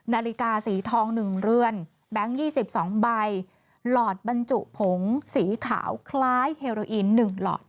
นาฬิกาสีทอง๑เรือนแบงค์๒๒ใบหลอดบรรจุผงสีขาวคล้ายเฮโรอีน๑หลอด